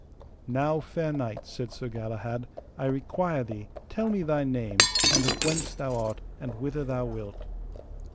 Now, fair knight, said Sir Galahad, I require thee tell me thy name, and of whence thou art, and whither thou wilt.